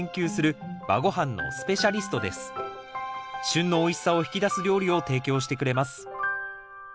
旬のおいしさを引き出す料理を提供してくれます。